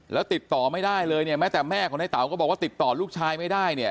แล้วติดต่อไม่ได้เลยเนี่ยแม้แต่แม่ของในเต๋าก็บอกว่าติดต่อลูกชายไม่ได้เนี่ย